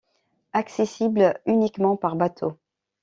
Accessible uniquement par bateau.